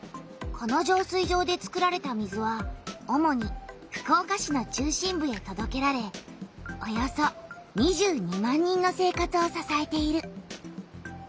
この浄水場で作られた水はおもに福岡市の中心部へとどけられおよそ２２万人の生活をささえている。